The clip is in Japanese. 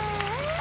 あ！